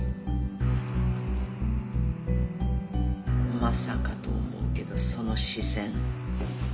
まさかと思うけどその視線。